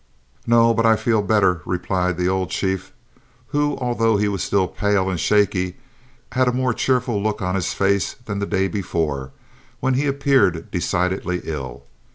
"No, but I feel better!" replied the old chief, who, although he was still pale and shaky, had a more cheerful look on his face than the day before, when he appeared decidedly ill.